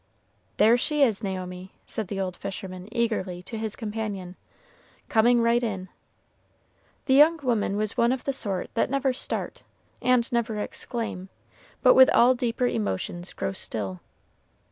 "There she is, Naomi," said the old fisherman, eagerly, to his companion, "coming right in." The young woman was one of the sort that never start, and never exclaim, but with all deeper emotions grow still.